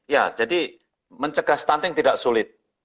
ya jadi mencegah stunting tidak sulit